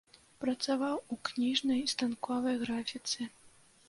Працаваў у кніжнай станковай графіцы.